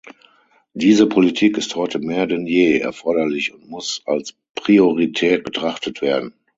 Diese Politik ist heute mehr denn je erforderlich und muss als Priorität betrachtet werden.